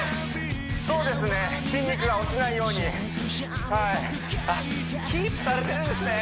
そうですね筋肉が落ちないようにはいあっキープされてるんですね